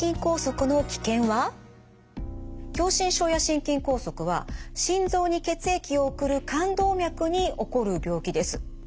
狭心症や心筋梗塞は心臓に血液を送る冠動脈に起こる病気です。